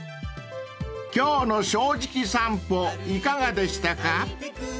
［今日の『正直さんぽ』いかがでしたか］